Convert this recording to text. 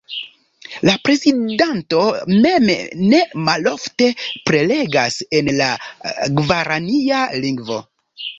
La prezidanto mem ne malofte prelegas en la gvarania lingvo.